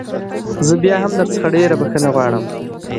زه بيا هم درڅخه ډېره بخښنه غواړم.